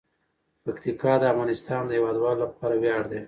پکتیکا د افغانستان د هیوادوالو لپاره ویاړ دی.